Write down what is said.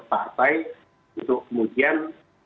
partai untuk kemudian